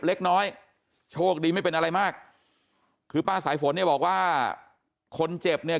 เล็กน้อยโชคดีไม่เป็นอะไรมากคือป้าสายฝนเนี่ยบอกว่าคนเจ็บเนี่ย